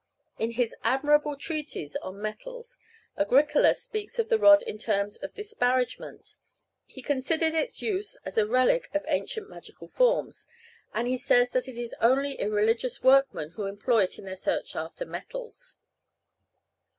In his admirable treatise on metals, Agricola speaks of the rod in terms of disparagement; he considers its use as a relic of ancient magical forms, and he says that it is only irreligious workmen who employ it in their search after metals.